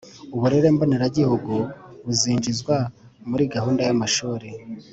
uburere mboneragihugu buzinjizwa muri gahunda y'amashuri